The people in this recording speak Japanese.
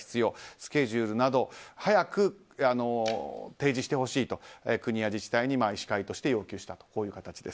スケジュールなど早く提示してほしいと国や自治体に、医師会として要求したという形です。